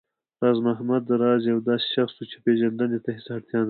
راز محمد راز يو داسې شخص و چې پېژندنې ته هېڅ اړتيا نه لري